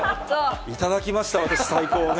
頂きました、私、最高をね。